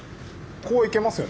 こう行けますよ。